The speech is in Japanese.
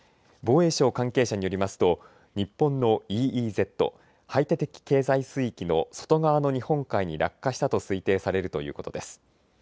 防衛省関係者によりますと日本のＥＥＺ・排他的経済水域の外側の日本海に落下したと推定されるということです。